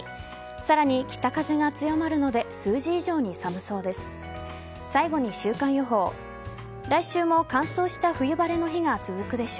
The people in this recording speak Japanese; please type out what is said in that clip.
さらに、北風が強まるので数字以上に寒そうです。